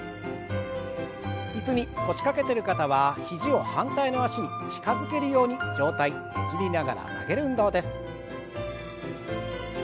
椅子に腰掛けてる方は肘を反対の脚に近づけるように上体ねじりながら曲げる運動です。